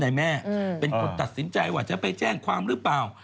แม่เป็นคนตัดสินใจว่าจะไปแจ้งความหรือเปล่า